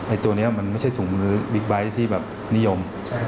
ตัวนี้มันไม่ใช่ถุงมือบิ๊กไบท์ที่แบบนิยม